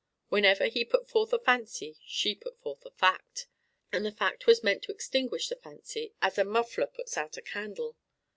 Whenever he put forth a fancy, she put forth a fact; and the fact was meant to extinguish the fancy as a muffler puts out a candle.